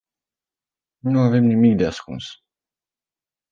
Nu avem nimic de ascuns.